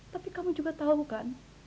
tapi kamu juga tahu kan